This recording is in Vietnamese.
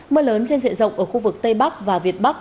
mưa lớn trên diện rộng ở khu vực tây bắc và việt bắc